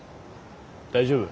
大丈夫？